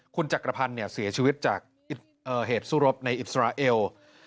คุณจักรพันธ์เสียชีวิตจากเหตุสู้รบในอิสราเอล